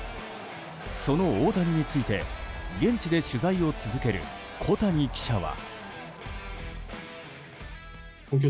その大谷について現地で取材を続ける小谷記者は。